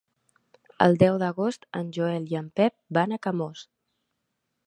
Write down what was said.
El deu d'agost en Joel i en Pep van a Camós.